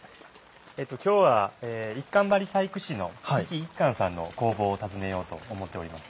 今日は一閑張細工師の飛来一閑さんの工房を訪ねようと思っております。